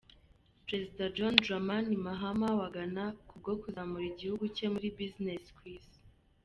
Perezida John Dramani Mahama wa Ghana, kubwo kuzamura igihugu cye muri business ku Isi.